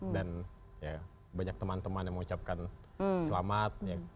dan banyak teman teman yang mengucapkan selamat